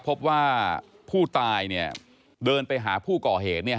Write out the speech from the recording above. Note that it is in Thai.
พบว่าผู้ตายเดินไปหาผู้ก่อเหตุ